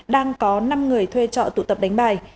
đang có năm người thuê trọ tụ tập đánh bài